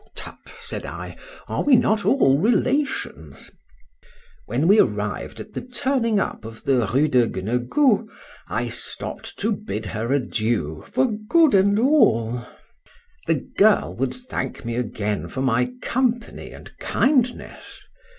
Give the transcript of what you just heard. —Tut! said I, are we not all relations? When we arrived at the turning up of the Rue de Gueneguault, I stopp'd to bid her adieu for good and all: the girl would thank me again for my company and kindness.